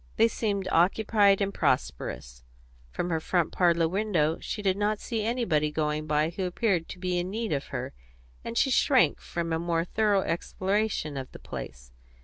They seemed occupied and prosperous, from her front parlour window; she did not see anybody going by who appeared to be in need of her; and she shrank from a more thorough exploration of the place.